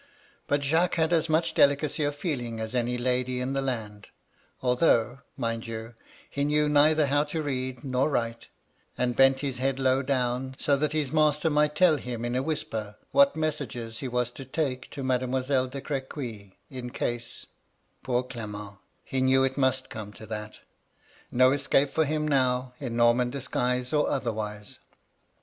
But Jacques had as much delicacy of feeling as any lady in the land, although, mind you, he knew neither how to read nor write, — and bent his head low down, so that his master might tell him in a whisper what messages he was to take to Mademoiselle de CrAjuy, in case Poor Cle ment, he knew it must come to that I No escape for him now, in Norman disguise or otherwise!